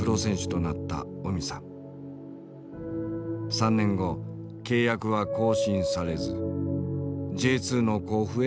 ３年後契約は更新されずＪ２の甲府へ移籍した。